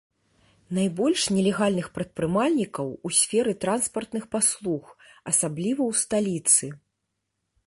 Найбольш нелегальных прадпрымальнікаў у сферы транспартных паслуг, асабліва ў сталіцы.